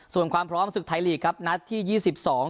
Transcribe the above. ส่วนความพร้อมศึกไทยลีกครับนัดที่ยี่สิบสอง